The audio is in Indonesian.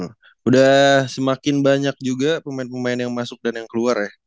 sudah semakin banyak juga pemain pemain yang masuk dan yang keluar ya